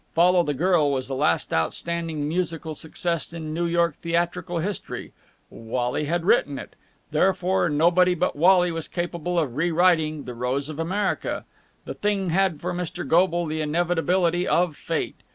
"Follow the Girl" was the last outstanding musical success in New York theatrical history: Wally had written it, therefore nobody but Wally was capable of re writing "The Rose of America." The thing had for Mr. Goble the inevitability of Fate.